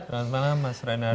selamat malam mas renan